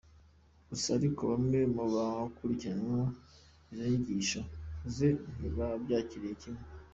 Gusa ariko bamwe mu bakurikiranye izo nyigisho ze ntibabyakiriye kimwe.